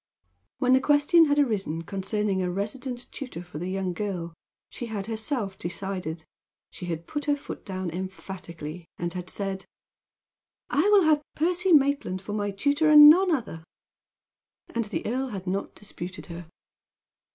When the question had arisen concerning a resident tutor for the young girl, she had herself decided. She had put her foot down emphatically, and had said: "I will have Percy Maitland for my tutor, and none other." And the earl had not disputed her.